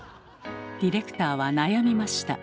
ディレクターは悩みました。